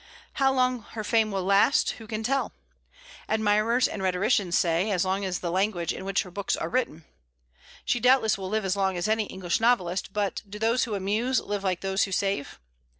How long her fame will last, who can tell? Admirers and rhetoricians say, "as long as the language in which her books are written." She doubtless will live as long as any English novelist; but do those who amuse live like those who save?